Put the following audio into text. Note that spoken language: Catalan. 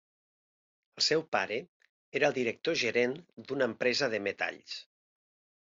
El seu pare era el director gerent d’una empresa de metalls.